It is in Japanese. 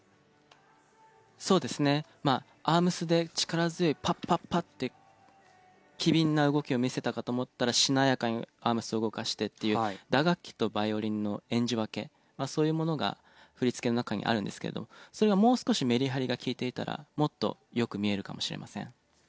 そうですねまあアームスで力強いパッパッパッて機敏な動きを見せたかと思ったらしなやかにアームスを動かしてっていう打楽器とバイオリンの演じ分けそういうものが振り付けの中にあるんですけどそれがもう少しメリハリが利いていたらもっと良く見えるかもしれません。